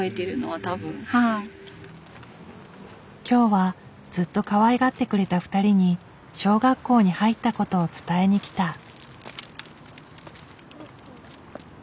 今日はずっとかわいがってくれた２人に小学校に入ったことを伝えに来た。